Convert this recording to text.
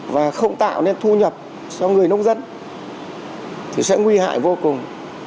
và không tạo nên thu nhập cho người nông dân thì sẽ nguy hại vô cùng